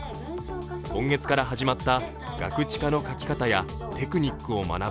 今月から始まったガクチカの書き方やテクニックを学ぶ